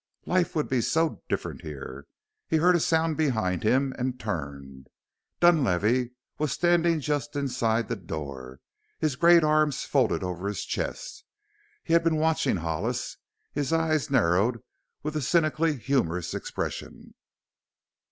Life would be so different here. He heard a sound behind him and turned. Dunlavey was standing just inside the door, his great arms folded over his chest. He had been watching Hollis, his eyes narrowed with a cynically humorous expression.